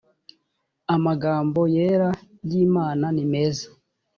amagambo yera y imana nimeza